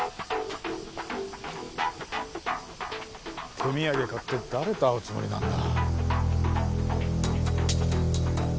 手土産買って誰と会うつもりなんだ？